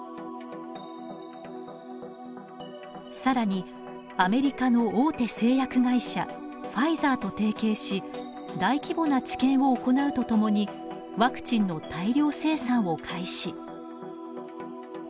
更にアメリカの大手製薬会社ファイザーと提携し大規模な治験を行うとともにワクチンの大量生産を開始。